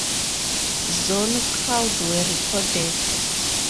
Zone crowd were recorded.